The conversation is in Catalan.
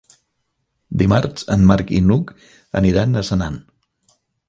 Dimarts en Marc i n'Hug aniran a Senan.